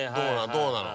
どうなの？